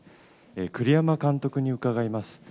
栗山監督に伺います。